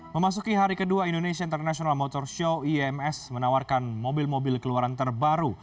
memasuki hari kedua indonesia international motor show ims menawarkan mobil mobil keluaran terbaru